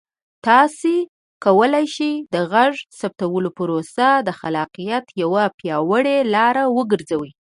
تاسو کولی شئ د غږ ثبتولو پروسه د خلاقیت یوه پیاوړې لاره وګرځوئ.